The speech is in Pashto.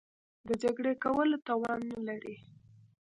د جګړې کولو توان نه لري.